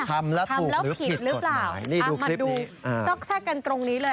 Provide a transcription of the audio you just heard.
ทำแล้วถูกหรือผิดกฎหมายนี่ดูคลิปนี้เอามาดูซอกซากกันตรงนี้เลย